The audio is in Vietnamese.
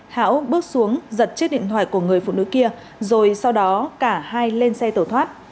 hão bước xuống giật chiếc điện thoại của người phụ nữ kia rồi sau đó cả hai lên xe tẩu thoát